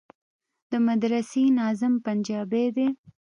د مدرسې ناظم پنجابى دى.